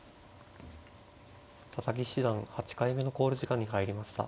佐々木七段８回目の考慮時間に入りました。